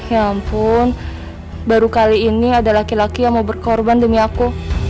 ya ampun baru kali ini ada laki laki yang mau berkorban demi aku